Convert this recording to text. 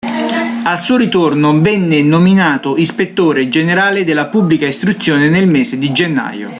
Al suo ritorno, venne nominato ispettore generale della Pubblica Istruzione nel mese di gennaio.